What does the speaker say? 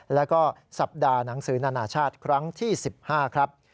แล้วก็สัปดาห์หนังสือนานาชาติครั้งที่๑๕ครับ